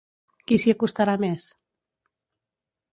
Qui s’hi acostarà més?